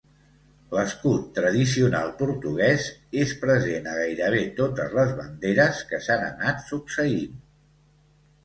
L'escut tradicional portuguès és present a gairebé totes les banderes que s'han anat succeint.